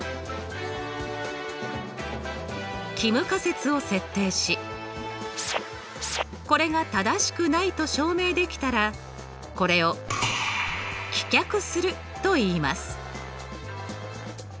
帰無仮説を設定しこれが正しくないと証明できたらこれを棄却するといいます。